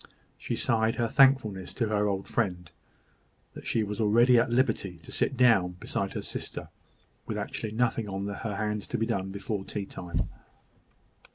She sighed her thankfulness to her old friend, that she was already at liberty to sit down beside her sister, with actually nothing on her hands to be done before tea time.